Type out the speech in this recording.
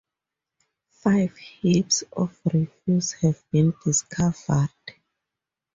Five heaps of refuse have been discovered.